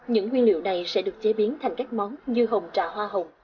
những nguyên liệu này sẽ được chế biến thành các món như hồng trà hoa hồng